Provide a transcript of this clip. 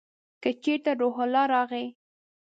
که چېرته روح الله راغی !